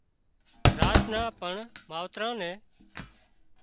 راچ نان پڻ متيران ني